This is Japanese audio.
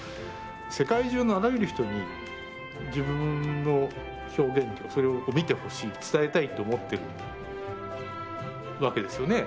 世界中のあらゆる人に自分の表現それを観てほしい伝えたいと思ってるわけですよね。